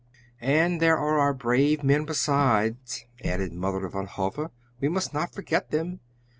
"And there are our own brave men, besides," added Mother Van Hove. "We must not forget them!